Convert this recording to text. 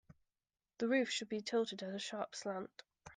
The roof should be tilted at a sharp slant.